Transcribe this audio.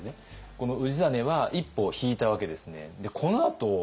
この氏真は一歩引いたわけですね。